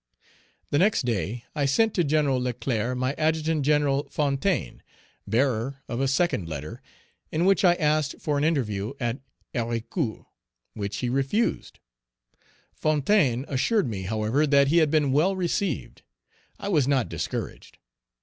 The next day, I sent to Gen. Leclerc my Adjutant General Fontaine, bearer of a second letter, in which I asked for an interview at Héricourt, which he refused. Fontaine assured me, however, that he had been well received. I was not discouraged.